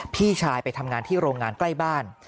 พี่ชายไปทำงานที่โรงงานใกล้บ้าน